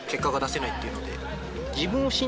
っていうので。